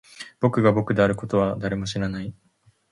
僕が僕であることは誰も知らない